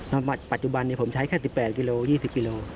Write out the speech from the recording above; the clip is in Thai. ปัจจุบันผมใช้แค่๑๘กิโล๒๐กิโล